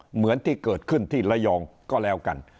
เหมือนที่เกิดขึ้นที่ระยองก็แล้วกัน